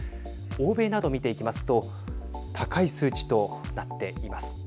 欧米など見ていきますと高い数値となっています。